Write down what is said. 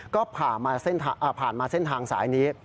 ก็ผ่านมาเส้นทางสายนี้